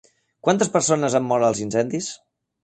Quantes persones han mort als incendis?